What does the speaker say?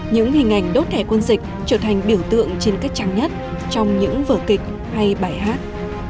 những hình ảnh đốt thẻ quân dịch trở thành biểu tượng trên các trang nhất trong những vở kịch hay bài hát